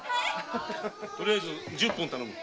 とりあえず十本頼む。